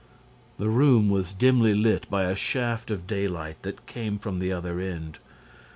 The room was dimly lit by a shaft of daylight that came from the other end.